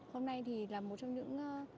hôm nay thì là một trong những